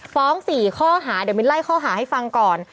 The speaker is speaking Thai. ๔ข้อหาเดี๋ยวมิ้นไล่ข้อหาให้ฟังก่อน